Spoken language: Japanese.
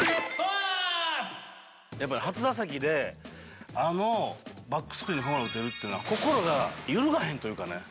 初打席でバックスクリーンにホームランを打てるというのは、心が揺るがへんというかね。